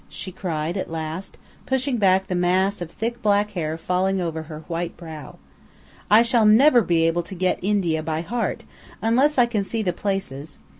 she cried, at last, pushing back the mass of thick black hair falling over her white brow; "I shall never be able to get India by heart, unless I can see the places.